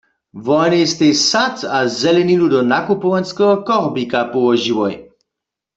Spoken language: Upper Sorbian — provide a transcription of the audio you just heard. Wonej stej sad a zeleninu do nakupowanskeho korbika połožiłoj.